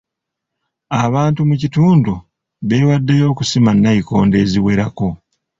Abantu mu kitundu beewaddeyo okusima nayikondo eziwerako.